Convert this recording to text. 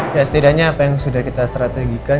ya setidaknya apa yang sudah kita strategikan